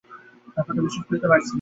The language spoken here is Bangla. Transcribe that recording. ব্যাপারটা বিশ্বাস করতে পারছি না।